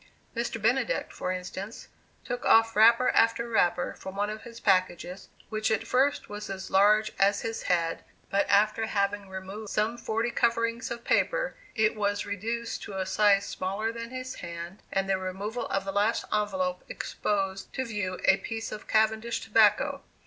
Mr. Benedict, for instance, took off wrapper after wrapper from one of his packages, which at first was as large as his head, but after having removed some forty coverings of paper, it was reduced to a size smaller than his hand, and the removal of the last envelope exposed to view a piece of cavendish tobacco.